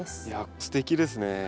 いやすてきですね。